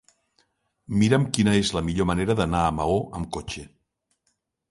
Mira'm quina és la millor manera d'anar a Maó amb cotxe.